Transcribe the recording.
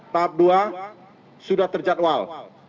tahap dua sudah terjadwal